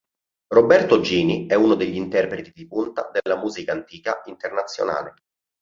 Roberto Gini è uno degli interpreti di punta della musica antica internazionale.